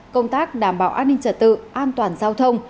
công tác đảm bảo an ninh trật tự an toàn giao thông